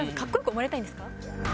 思われたいです。